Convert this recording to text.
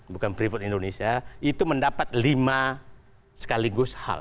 bukan freeport indonesia itu mendapat lima sekaligus hal